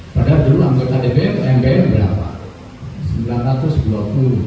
padahal dulu anggota mk itu berapa